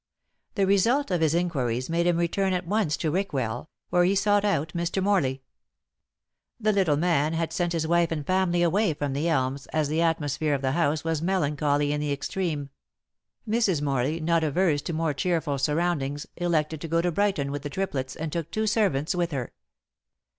The result of his inquiries made him return at once to Rickwell, where he sought out Mr. Morley. The little man had sent his wife and family away from The Elms, as the atmosphere of the house was melancholy in the extreme. Mrs. Morley, not averse to more cheerful surroundings, elected to go to Brighton with the triplets, and took two servants with her.